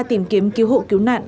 tìm kiếm cứu hộ cứu nạn